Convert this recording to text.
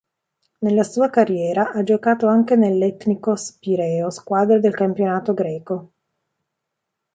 Nella sua carriera ha giocato anche nell'Ethnikos Pireo, squadra del campionato greco.